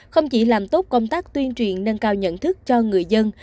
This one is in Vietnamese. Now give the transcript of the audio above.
không chỉ làm tốt công tác tuyên truyền nâng cao nhận thức cho người dân